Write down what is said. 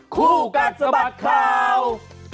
คู่กัดสะบัดข่าว